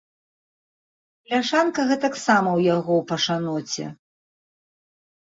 Бляшанка гэтаксама ў яго ў пашаноце.